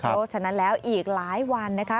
เพราะฉะนั้นแล้วอีกหลายวันนะคะ